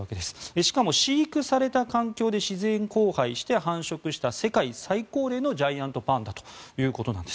しかも飼育された環境で自然交配して繁殖した世界最高齢のジャイアントパンダということなんです。